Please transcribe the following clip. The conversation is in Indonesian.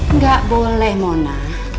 nggak boleh mona